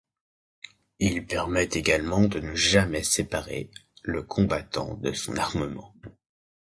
Il permet également de ne jamais séparer le combattant de son armement.